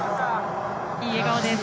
いい笑顔です。